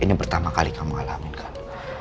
ini pertama kali kamu alamin kan